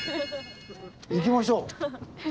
行きましょう！